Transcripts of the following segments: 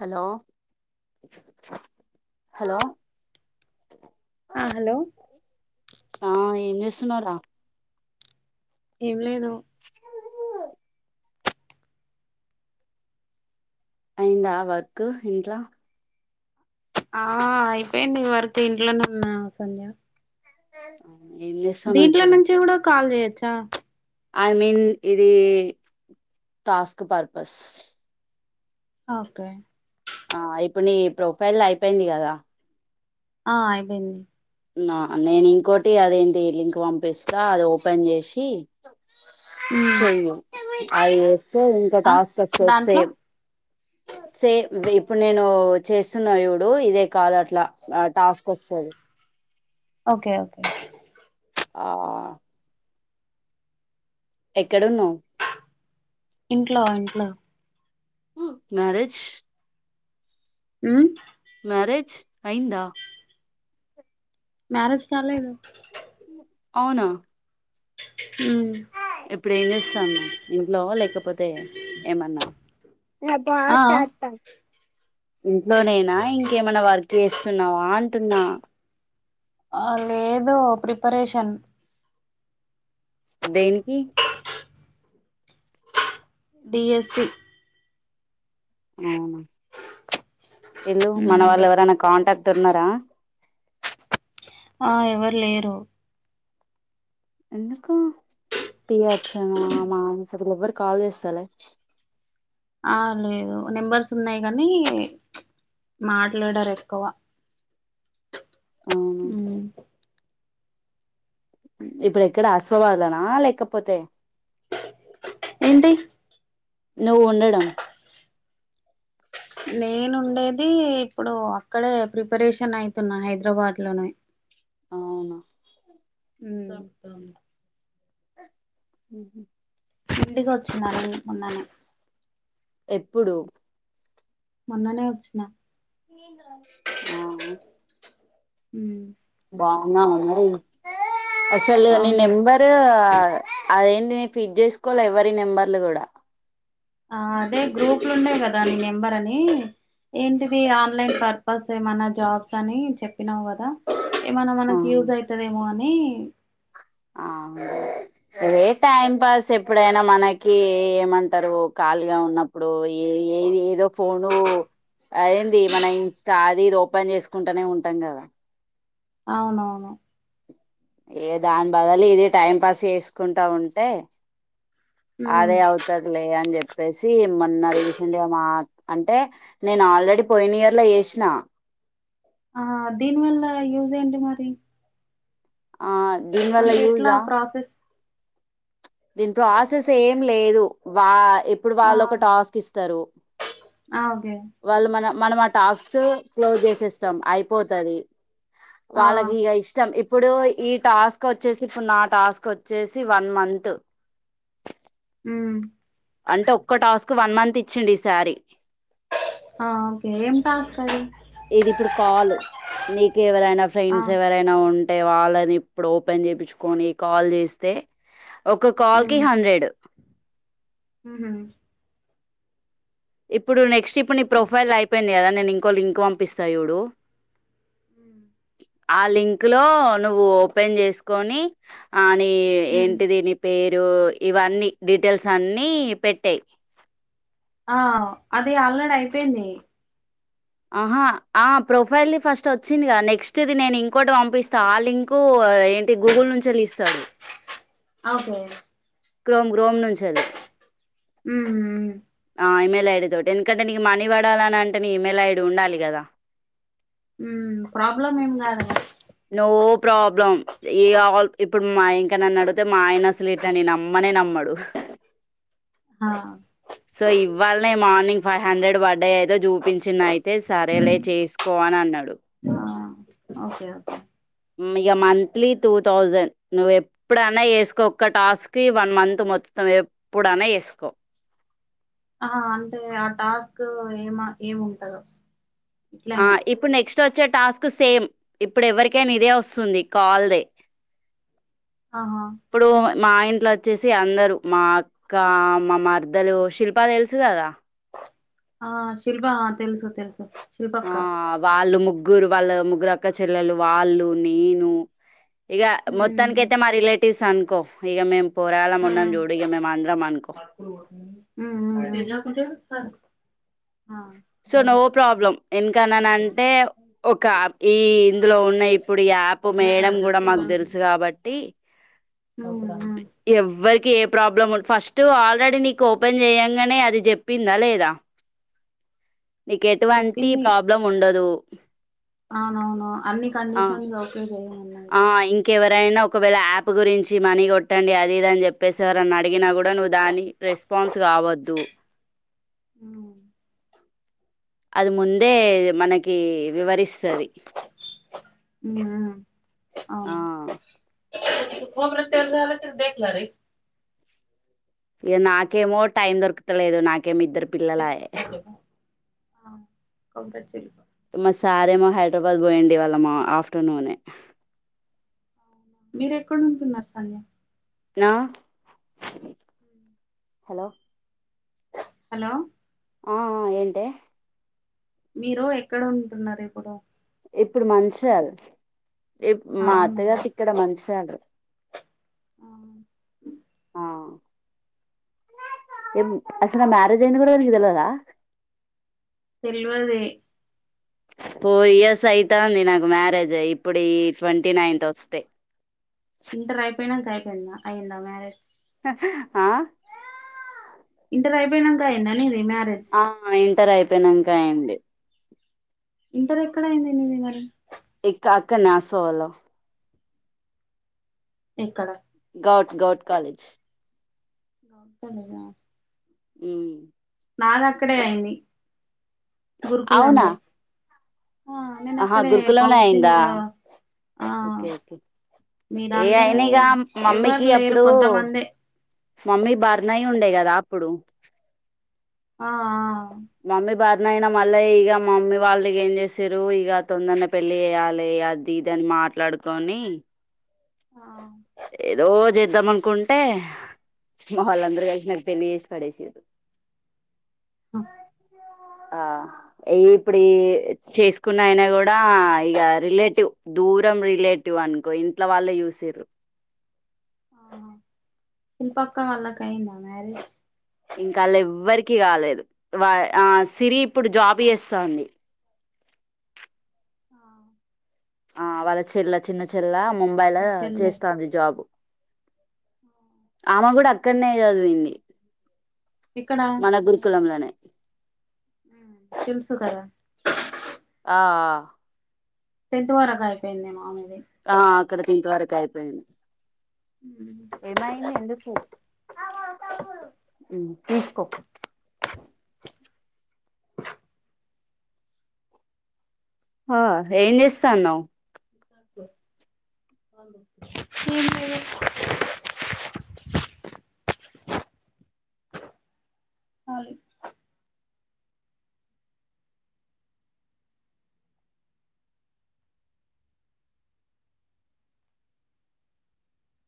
Hello hello ఆ hello ఆ ఏమ్ చేస్తున్నార ఏం లేదు అయింద వర్క్ ఇంట్లొ ఆ అయిపోయింది వర్క్ ఇంట్లోనే ఉన్నా సంధ్య ఆ దీంట్లో నుంచి కూడా కాల్ చేయ చ్చా ఐ మీన్ ఇది టాస్క్ పర్పస్ ఓకే ఆ ఇప్పుడు నీ ప్రొఫైల్ అయిపోయింది కదా ఆ అయిపేంది నా నేను ఇంకోటి అదేంటి లింక్ పంపిస్తా అది ఓపెన్ చేసి చెయ్యు అయ్యే తే ఇంకా ఆ టాస్క్స్ సక్సస్ దాంట్లో సేమ్ సేమ్ వే ఇప్పుడు నేను చేస్తున్నా చూడు ఇదే కాల్ అట్లా టాస్క్ వస్తది ఓకే ఓకే ఆ ఎక్కడున్నావ్ ఇంట్లో ఇంట్లో మ్యారేజ్ ఊ మ్యారేజ్ అయిందా మ్యారేజ్ కాలేదు అవునా ఉమ్ ఇప్పుడు ఏం చేస్తున్నావ్ ఇంట్లో నా లేకపోతే ఏమన్నా అ ఆ బాత త ఇంట్లోనేనా ఇంకేమైనా వర్క్ చేస్తున్నావా అ పుట్న్ ఆ లేదు ప్రిపరేషన్ దేనికి డిఎస్సి ఆ ఇల్లు మన వాళ్ళు ఎవరైనా కాంటాక్ట్ తొందర ఆ ఎవరు లేరు ఎందుకో ఫచ్చ మానస వీళ్ళు ఎవ్వరు కల్ చేస్తాలే ఆ లేదు నెంబర్స్ ఉన్నాయి కానీ మాట్లాడారు ఎక్కువ అవును అ ఇప్పుడు ఎక్కడ ఆశ్వవాదునా లేకపోతే ఏంటి నువ్వు ఉండడం నేను ఉండేది ఇప్పుడు అక్కడే ప్రిపరేషన్ అవుతున్నా హైదరాబాద్ లోని అవును అదా హుహ్ ఇంటికి వచ్చింనా ని మొన్ననే ఎప్పుడు మొన్ననే వచ్చిన ఆ ఉ బావున్నవా అమ్మాయి అసలు నీ బాగున్నా నెంబరు అదేం నేను ఫీడ్ చేసుకోలె ఎవ్వరి నెంబర్లు కూడా. ఆ అదే గ్రూపుల ఉండే కదా నీ నెంబర్ అని, ఏంటిది ఆన్లైన్ పర్పస్ ఏమన్నా జాబ్స్ అని చెప్పినవు కదా. ఎ అ మనకి యూస్ అయిత మ [inaudible] అ అదే టైం పాస్ ఎప్పుడైనా మనకి ఏమంటారు ఖాళీగా ఉన్నప్పుడు ఏ ఏ ఏదో ఫోను అయింది మన ఇన్స్టా అది ఇది ఓపెన్ చేసుకుంటానే ఉంటాం కదా అవును అవును ఏ దాని బదులి ఇది టైం పాస్ చేసుకుంటా ఉంటే. ఉమ్ అదే అవుతాది లే అని చెప్పి. చెప్పేసి మొన్న రీసెంట్ గా మా అంటే నేను ఆల్రెడీ పోయిన ఇయర్ లో చేసిన. ఆ దీనివల్ల యూజ్ ఏంటి మరి. ఆ దీనివల్ల అంటే ఎట్లా యూజా. ప్రాసెస్ దీని ప్రాసెస్ ఏం లేదు వా ఇప్పుడు ఆ వాళ్ళు ఒక టాస్క్ ఇస్తారు. ఆ ఓకే వాళ్ళు మన మనం ఆ టాక్స్ క్లోజ్ చేసేస్తాం అయిపోతాది. ఆ వాళ్ళకి ఇగ ఇష్టం ఇప్ ఇప్పుడు ఈ టాస్క్ వచ్చేసి ఇప్పుడు నా టాస్క్ వచ్చేసి వన్ మంత్ హ్మ్ అంటే ఒక్క టాస్క్ వన్ మంత్ ఇచ్చింది ఈ సారీ ఆ ఓకే ఏం టాస్క్ అండి ఇది ఇప్పుడు కాల్ నీకు ఎవరైనా ఆ ఫ్రెండ్స్ ఎవరైనా ఉంటే అంటే వాళ్ళని ఇప్పుడు ఓపెన్ చేయించుకొని కాల్ చేస్తే ఒక కాల్ కి హండ్రెడ్ హ్మ్. ఇప్పుడు నె. నెస్ట్ ఇప్పుడు నీ ఆ! ప్రొఫైల్ అయింది కదా నే. ఇంకో లింక్ పంపిస్తా చూడు. ఆ. ఆ లింక్ లో నువ్వు ఓపెన్ చేసుకొని ఆ. అ హ్మ్. ఏంటిది నీ పేరు.. మీరు ఇవన్నీ డీటెయిల్స్ అన్ని పెట్టాయి. ఆ అది అల్ రాడి అయిపోయింది. ఆహా ఆ ప్రొఫైల్ది ఫస్ట్ వచ్చిందిగా నెక్స్ట్ ఇది నేను ఇంకోటి పంపిస్తా ఆ లింకు ఏంటి గూగుల్ నుంచి వెళ్ళి ఇస్తాడు. ఓకే. క్రోమ్. క్రోమ్ నుంచి వెళ్ళి హ్మ్. హ్మ్. ఆ మా. ఇమెల్ ఐడి తోటి ఎందుకంటే నీకు మనీ పడాలని అంటే నీ ఇమెల్ ఐడి ఉండాలి కదా. హ్మ్ ప్రాబ్లమ్ ఏం కాదా అండి. నో ప్రాబ్లం ఏ ఆల్ ఇప్పుడు మా ఇంకా నన్ను అడితే మా ఆయన అసలు ఇట్ నే నమ్మనే నమ్మడు. ఆ వాళ్ళని మార్నింగ్ ఫైవ్ హండ్రెడ్ పడయయితే చూపించిన అయి అయితే సరేలే చేసుకో అని అన్నడు. ఆ! ఓకే. ఓకే. ఇగ మంత్లీ టూ థౌసండ్ నువ్వు ఎప్పుడైనా ఏస్కో ఒక్క టాస్ కి వన్ మంత్ మొత్తం ఎప్పుడైనా ఏస్కో ఆ అంటే ఆ టాస్క్ ఏమ ఏముంటందో ఆ ఇప్పుడు నెక్స్ట్ ఒ వచ్చే టాస్క్ సేమ్ ఇప్పుడు ఎవరికైనా ఇదే వస్తుంది కాల్దే ఆహా ఇప్పుడు మా ఇంట్లో వచ్చేసి అందరు మా అక్క మా మరద్దలు శిల్ప తెలుసు కదా ఆ శిల్ప తెలుసు తెలుసు ఆ శిల్పక్క. వాళ్ళు ముగ్ ముగ్గురు వాళ్ళ ముగ్గురుక్క చెల్లెలు వాళ్ళు నేను ఇక హ్మ్. మొత్తాన్కైతే మా రిలేట్ టిస్ అనుకో ఇగ మేం ఊ ఊ ఊ ఊ సో నో ప్రాబ్లం ఎందుకన్ననంటే ఒక ఈ ఇందులో ఉన్న ఇప్పుడు ఈ యాప్ వేయడం కూడా మాకు తెలుసు కాబట్టి ఊ ఉ ఎవ్వరికి ఏ ప్రాబ్లం ఫస్ట్ ఆల్రెడీ నీకు ఓపెన్ చేయంగానే అది చెప్పిందా లేదా నీకెటువంటి చెప్పింది. ప్రాబ్లం ఉండదు ఉహ్ అవునవును అన్ని కండిషన్ ఒకేలే ఆ ఇంకే ఎవరైనా ఒకవేళ యాప్ గురించి మనీ కొట్టండి అది ఇదని చెప్పేసి ఎవరని అడిగినా కూడా నువ్వు దాని రెస్పాన్స్ కావద్దు ఊ అది ముందే మనకి వివరిస్తది ఊ ఆ అవునా కొ రత్యాల [unintelligible] దెక్ లారీ ఇగ నాకేమో టైం దొరకతులేదు నాక్ ఇగ మీ ఇద్దరు పిల్లలాయ ఆ కొబ్రాచిల్ మా సారేమో హైదరాబాద్ పోయండు ఇవాళ మా ఆఫ్టర్నూనే మీరు ఎక్కడ ఉంటున్నారు సంధ్య నా హ హలో హలో ఆ ఆ ఏంటే మీరు ఎక్కడ ఉంటున్నారు ఇప్పుడు ఇప్పుడు మంచల్ ఇప్ మా అవునా అతగర్ ఇక్కడ మంచల్ ఆ ఏం అస్సల ఆ మ్యారేజ్ అయినా కూడా నిక్ తెల్వదా తెల్వదే ఫోర్ ఇయర్స్ అయితంది నాకు మ్యారేజ్ అయి ఇప్పుడు ఈ ట్వంటీ నైన్త్ వస్తే ఇంటర్ అయిపెనంక ఐ చెన్నా అయిందా మ్యారేజ్ ఆ ఇంటర్ అయిపోయినంక ఐంద నీది మీ మ్యారేజ్ తర్ అయిపోయినంకా ఐంది ఇంటర్ ఎక్కడ అయింది నీది మరి ఇక్క అక్క నాసవలో ఎక్కడ గౌట్ గౌట్ కాలేజ్ [inaudible] నునా ఊ మ్ నాదక్కడే అయింది అవునా గురుకులంలో ఆ నేను ఆహా అక్కడే గురుకులంనే అయిందా కౌన్సలింగ్ ఓకే ఓకే ఏ అయినాగా మమ్మీకి ఎవరు లేరు అప్పుడు కొంతమందే మమ్మీ బారినయ్ ఉండే కదా అప్పుడు ఆ మమ్మీ బా నైనా మళ్ళ ఇగ మమ్మీ వాళ్ళకి ఏం జెస్సిరు ఇగ తొందర్నే పెళ్లి చేయాలే అదిద్ దాన్ మాట్లాడుకొని ఆ ఏదో చేద్దాం అనుకుంటే మా వాళ్ళందరూ కలిసి నకి పెళ్లి చేేసి పడేస్సిరు హ ఆ ఇప్పుడు ఈ చేసుకున్న అయినా గూడా ఇగ రిలేటివ్ దూరం రిలేటివ్ అనుకో ఇంట్లో వాళ్ళే యుస్సిరు ఆ చిల్పక్క వళ్ళ కాయింద మ్యారేజ్ ఇంకాల్ ఎవ్వరికి కాలేదు వా ఆ సిరి ఇప్పుడు జాబ్ ఎస్సంధి ఆ ఆ వాళ్ళ చెల్ల చిన్న చెల్ల ముంబైలో వాళ్ళ చెల్లె చేస్తాంది జాబ్ ఆమె కూడా అక్కడనే జదివింది ఇక్కడ మన గురుకులంలనే తెల్సుకదా ఆ టెన్త్ వరకు అయిపోయింది ఏమో ఆమె ఆ అక్కడకి ఇంతవరకు అయిపోయింది ఉమ్, ఏమయింది ఎందుకు తీసుకో ఆ ఏం చేస్తున్నావ్ స [unintelligible] ఖాళీ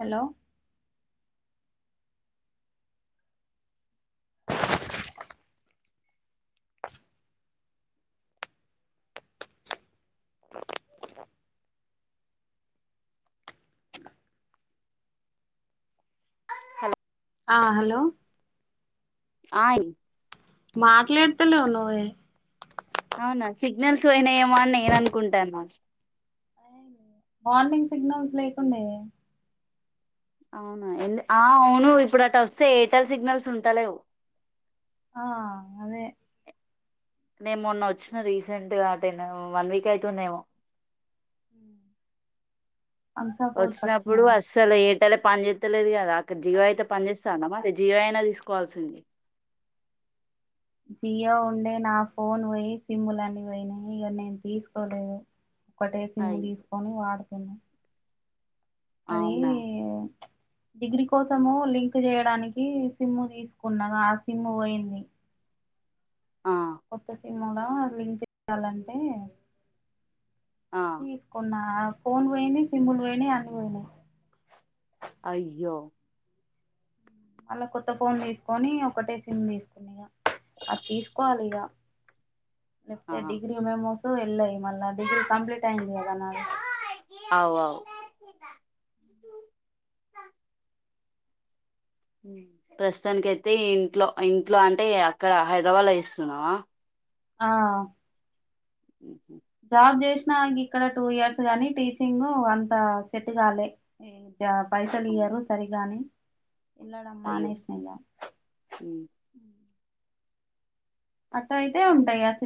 హలో హలో ఆ హలో ఆయ్ మాట్లాడుతలేవ్ నువ్వే అవునా సిగ్నల్స్ పోయినాయమో అన్ నేననుకుంటాన్నా మార్నింగ్ సిగ్నల్స్ లేకుండే అవునా ఎల్ ఆ అవును ఇప్పుడు అటోసే ఎయిర్టెల్ సిగ్నల్స్ ఉంటలేవ్ ఆ అదే నే మొన్న వచ్చిన రీసెంట్ గా అటె నేమొ వన్ వీక్ అయితుందేమో ఉ వచ్చినప్పుడు అస్సలు ఏ అట్టలే పనిచేత్తలేదు కదా అక్కడ జియో అయితే పని చేేస్తాంద మరి జియో అయినా తీసుకోవాల్సింది జియో ఉండే నా ఫోన్ పోయి సిమ్ లన్నీ పోయినియి ఇక నేను తీసుకోలేదు ఒకటే సిమ్ము అయ్ తీసుకొని వాడుతున్నా అదీ అవునా డిగ్రీ కోసము లింక్ చేయడానికి సిమ్ తీసుకున్న గ ఆ సిమ్ పోయింది ఆ సిమ్ముల లింకు ఇవ్వాలంటే ఆ తీసుకున్నా ఫోన్ పోయింది సిమ్ పోయినియ్ అన్ని పోయినియ్ అయ్యో మళ్ళ కొత్త ఫోన్ తీసుకొని ఒకటే సిమ్ తీసుకుంట అది తీసుకోవాలి ఇక ఆ చెప్తె డిగ్రీ మెమోరీస్ కు వెళ్లాయి మళ్ళా డిగ్రీ కంప్లీట్ అయింది కదా నాది అవు అవు ప్రస్తుతానినికి అయితే ఇంట్లో ఇంట్లో అంటే అక్కడ హైదరాబాద్ లో ఇస్తున్నావా ఆ ఉ జాబ్ చేసినా ఇక్కడ టూ ఇయర్స్ గాని టీచింగ్ అంత సెట్ కాలే యా పైసలు ఇయ్యరు సరిగాని వెళ్ళడం అయ్యో మానేషిన ఇంకా ఉమ్ అట్లా అయితే ఉంటాయి అ